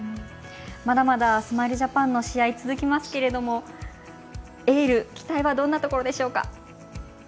まだまだスマイルジャパンの試合続きますけどエール、期待はどんなところでしょうか。